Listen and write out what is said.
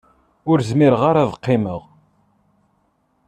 Ur zmireɣ ara ad qqimeɣ.